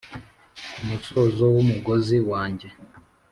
ku musozo wumugozi wanjye